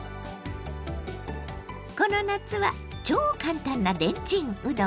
この夏は超簡単なレンチンうどん。